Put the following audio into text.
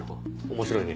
面白いね。